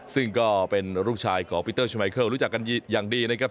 ซึ่งก็เป็นลูกชายของปีเตอร์ชมัยเคิลรู้จักกันอย่างดีนะครับ